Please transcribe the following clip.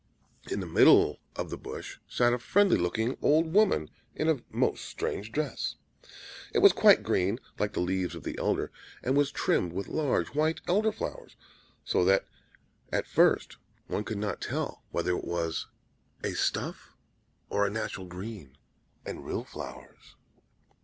In the middle of the bush sat a friendly looking old woman in a most strange dress. It was quite green, like the leaves of the elder, and was trimmed with large white Elder flowers; so that at first one could not tell whether it was a stuff, or a natural green and real flowers.